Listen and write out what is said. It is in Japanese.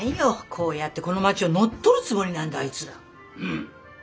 こうやってこの町を乗っ取るつもりなんだあいつら。